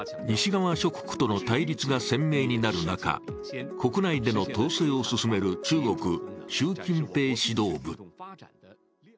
西側諸国との対立が鮮明になる中国内での統制を進める中国、習近平指導部。